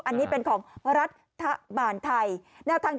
อันนี้เป็นของรัฐบาลไทย